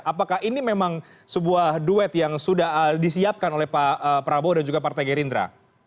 apakah ini memang sebuah duet yang sudah disiapkan oleh pak prabowo dan juga partai gerindra